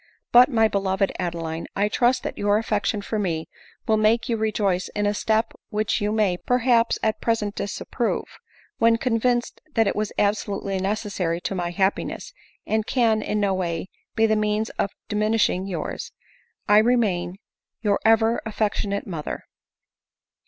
But, my be loved Adeline, I trust that your affection for me will make you rejoice in a step which you may, perhaps, at percent disapprove, whenfconvinced that it was absolute ly necessary to my happiness, and can, in no way, be the means of diminishing yours. "I remain " Your ever affectionate mother."